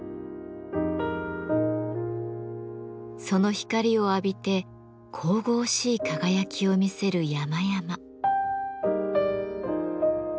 その光を浴びて神々しい輝きを見せる山々。